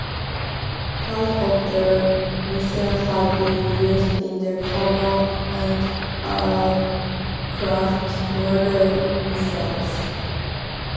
Parts of the missile have been used in the Common Anti-aircraft Modular Missile.